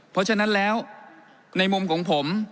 เพราะฉะนั้นแล้วในมุมของผม